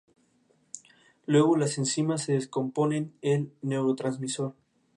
Luego, las enzimas descomponen el neurotransmisor.